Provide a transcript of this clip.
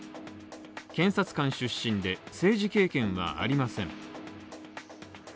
検察官出身で、政治経験はありません。